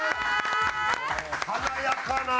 華やかな。